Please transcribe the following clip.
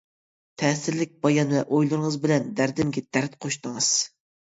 تەسىرلىك بايان ۋە ئويلىرىڭىز بىلەن دەردىمگە دەرد قوشتىڭىز.